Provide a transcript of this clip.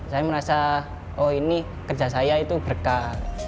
saya merasa oh ini kerja saya itu berkah